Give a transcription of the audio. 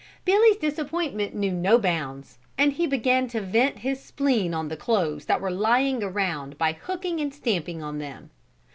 Billy's disappointment knew no bounds and he began to vent his spleen on the clothes that were lying around by hooking and stamping on them.